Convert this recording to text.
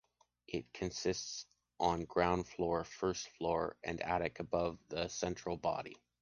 It consists on ground floor, first floor, and attic above the central body.